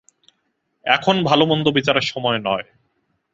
এখন ভালোমন্দ-বিচারের সময় নয়।